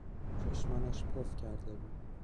چشمانش پف کرده بود.